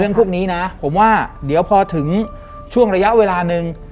พวกนี้นะผมว่าเดี๋ยวพอถึงช่วงระยะเวลาหนึ่ง